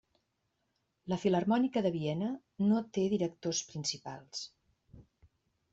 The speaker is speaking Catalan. La Filharmònica de Viena no té directors principals.